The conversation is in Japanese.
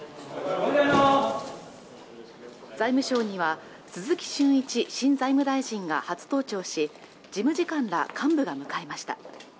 財務省には鈴木俊一新財務大臣が初登庁し事務次官ら幹部が迎えました